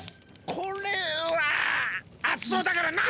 これはあつそうだからなし！